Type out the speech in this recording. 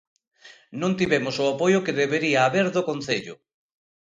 Non tivemos o apoio que debería haber do Concello.